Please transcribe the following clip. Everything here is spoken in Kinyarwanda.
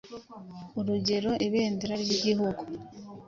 Urugero: Ibendera ry’Igihugu.